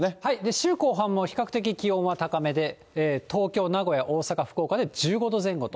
週後半も比較的気温は高めで、東京、名古屋、大阪、福岡で１５度前後と。